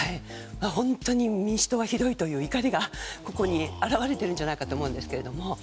本当に民主党はひどいという怒りがここに表れているんじゃないかと思いますが。